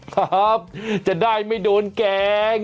ครับจะได้ไม่โดนแกล้ง